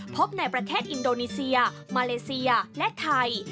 พบในประเทศอินโดนีเซียมาเลเซียและไทย